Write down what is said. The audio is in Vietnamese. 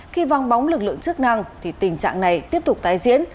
khi văng bóng lực lượng chức năng tình trạng này tiếp tục tái diễn